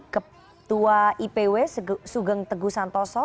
ketua ipw sugeng teguh santoso